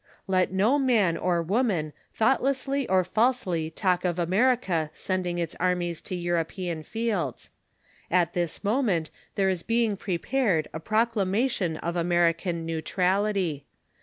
Let no man or woman thoughtlessly or falsely talk of America sending its armies to European fields. At this moment there is being prepared a proclamation of American neutrality.